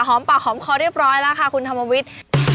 ปากหอมคอเรียบร้อยแล้วค่ะคุณธรรมวิทย์